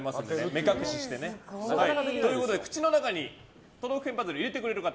目隠しをしてね。というわけで、口の中に都道府県パズルを入れてくれる方